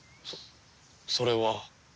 そそれは。